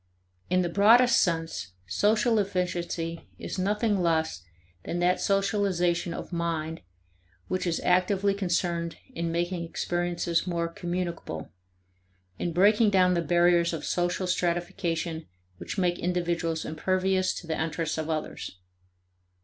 In the broadest sense, social efficiency is nothing less than that socialization of mind which is actively concerned in making experiences more communicable; in breaking down the barriers of social stratification which make individuals impervious to the interests of others.